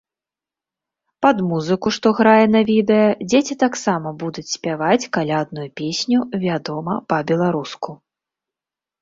Пад музыку, што грае на відэа, дзеці таксама будуць спяваць калядную песню, вядома, па-беларуску.